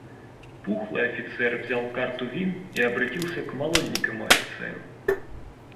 Пухлый офицер взял карту вин и обратился к молоденькому офицеру.